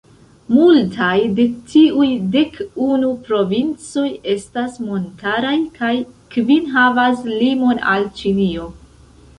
Multaj de tiuj dek unu provincoj estas montaraj, kaj kvin havas limon al Ĉinio.